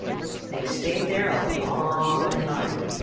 They stayed there for a long time.